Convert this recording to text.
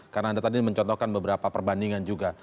karena anda tadi mencontohkan beberapa perbandingan juga